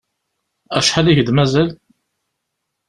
Acḥal i k-d-mazal?